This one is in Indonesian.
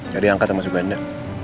jadi angkat sama subenda